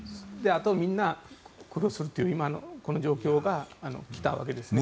あと、みんな苦労するというこの状況が来たわけですね。